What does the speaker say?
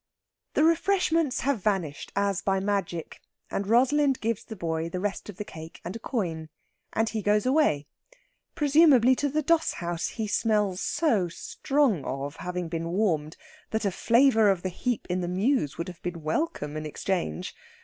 The refreshments have vanished as by magic, and Rosalind gives the boy the rest of the cake and a coin, and he goes away presumably to the doss house he smells so strong of, having been warmed, that a flavour of the heap in the mews would have been welcome in exchange.